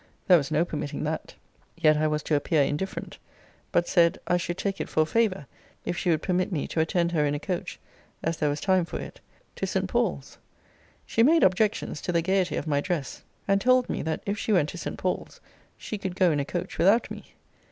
There was no permitting that. Yet I was to appear indifferent. But said, I should take it for a favour, if she would permit me to attend her in a coach, as there was time for it, to St. Paul's. She made objections to the gaiety of my dress; and told me, that if she went to St. Paul's, she could go in a coach without me.